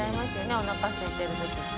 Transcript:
おなかすいてる時って。